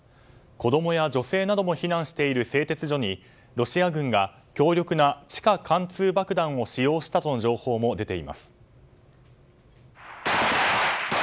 子供や女性なども避難している製鉄所にロシア軍が強力な地下貫通爆弾を使用したとの情報も出ています。